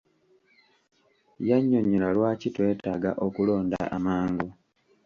Yannyonnyola lwaki twetaaga okulonda amangu.